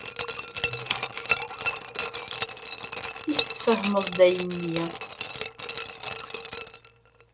I tesfehmed-d ayenni?